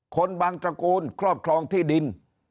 คนบางตระกูลครอบครองที่ดิน